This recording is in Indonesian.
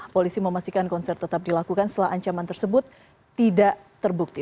polisi memastikan konser tetap dilakukan setelah ancaman tersebut tidak terbukti